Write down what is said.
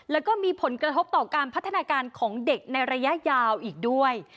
แล้วก็มีผลกระทบต่อการพัฒนาการของเด็กในระยะยาวอีกด้วย